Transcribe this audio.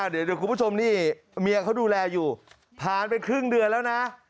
เดี๋ยวคุณผู้ชมนี่เมียเขาดูแลอยู่ผ่านไปครึ่งเดือนแล้วนะ